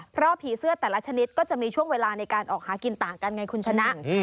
เพราะผีเสื้อแต่ละชนิดก็จะมีช่วงเวลาในการออกหากินต่างกันไงคุณชนะ